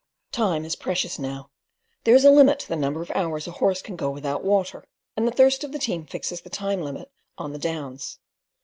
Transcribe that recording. Time is precious now. There is a limit to the number of hours a horse can go without water, and the thirst of the team fixes the time limit on the Downs.